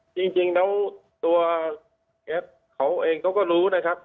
จริงแล้วตัวแอฟเขาเองเขาก็รู้นะครับ